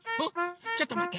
ちょっとまって！